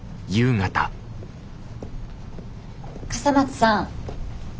笠松さん。